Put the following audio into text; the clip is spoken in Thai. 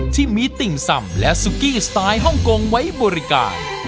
ที่มีติ่งสำและซุกี้สไตล์ฮ่องกงไว้บริการ